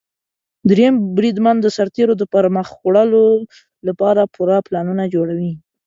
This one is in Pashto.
دریم بریدمن د سرتیرو د پرمخ وړلو لپاره پوره پلانونه جوړوي.